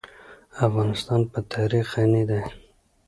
افغانستان په تاریخ غني دی.